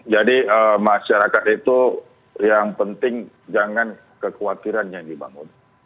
jadi masyarakat itu yang penting jangan kekhawatiran yang dibangun